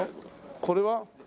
これは？